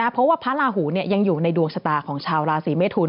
เพราะว่าพระลาหูยังอยู่ในดวงชะตาของชาวราศีเมทุน